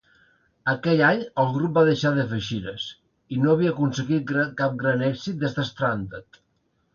Aquell any, el grup va deixar de fer gires, i no havia aconseguit cap gran èxit des de "Stranded".